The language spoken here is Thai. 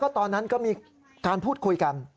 ตอนนั้นก็มีการพูดคุยกัน